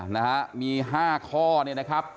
นะฮะมี๕ข้อเนี่ยนะครับ